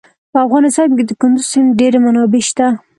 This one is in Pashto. په افغانستان کې د کندز سیند ډېرې منابع شته.